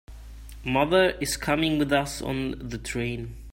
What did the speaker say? Mother is coming with us on the train.